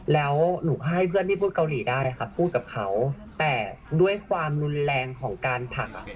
แล้วหนูให้เพื่อนที่พูดเกาหลีได้ค่ะพูดกับเขาแต่ด้วยความรุนแรงของการผลัก